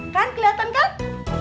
kan kelihatan kan